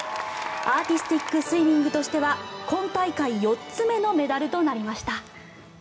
アーティスティックスイミングとしては今大会４つ目のメダルとなりました。